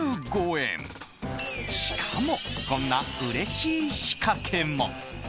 しかも、こんなうれしい仕掛けも。